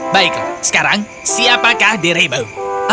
baiklah sekarang siapakah dirimu